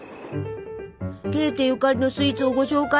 ゲーテゆかりのスイーツをご紹介！